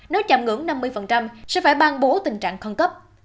nếu chạm ngưỡng năm mươi sẽ phải ban bố tình trạng khẩn cấp